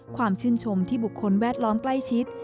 ความชื่นชมที่บุคคลแวดล้อมใกล้ชิด